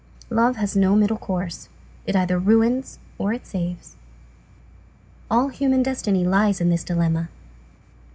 Love has no middle course; it either ruins or it saves. All human destiny lies in this dilemma.